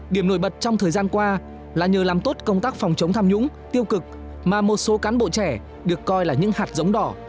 điểm nổi bật trong thời gian qua là nhờ làm tốt công tác phòng chống tham nhũng tiêu cực mà một số cán bộ trẻ được coi là những hạt giống đỏ